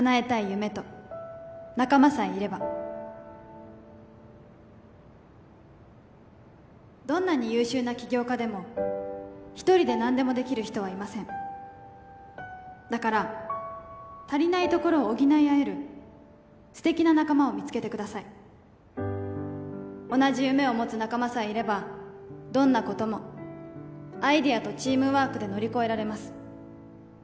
夢と仲間さえいればどんなに優秀な起業家でも一人で何でもできる人はいませんだから足りないところを補い合える素敵な仲間を見つけてください同じ夢を持つ仲間さえいればどんなこともアイデアとチームワークで乗り越えられます